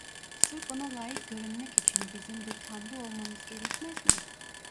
Sırf ona layık görünmek için bizim de tanrı olmamız gerekmez mi?